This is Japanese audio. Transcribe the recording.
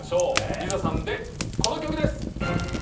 リザさんでこの曲です！